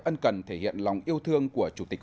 ân cần thể hiện lòng yêu thương của chủ tịch